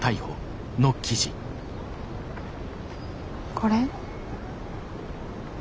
これ？